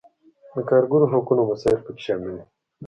د کارګرو حقونو مسایل پکې شامل وو.